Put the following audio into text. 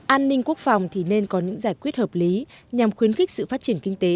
an ninh quốc phòng thì nên có những giải quyết hợp lý nhằm khuyến khích sự phát triển kinh tế